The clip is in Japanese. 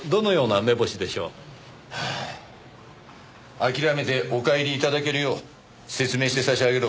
諦めてお帰り頂けるよう説明して差し上げろ。